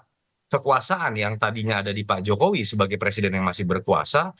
karena kekuasaan yang tadinya ada di pak jokowi sebagai presiden yang masih berkuasa